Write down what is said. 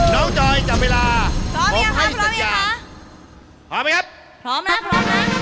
น้องจอยจับเวลาพร้อมอย่าคะรับไหมครับ